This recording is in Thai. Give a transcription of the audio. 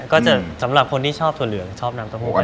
ก็จะสำหรับคนที่ชอบถั่วเหลืองชอบน้ำเต้าหู้